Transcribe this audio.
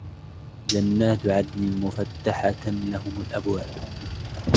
جنات عدن مفتحة لهم الأبواب